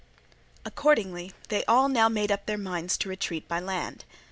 Accordingly they all now made up their minds to retreat by land.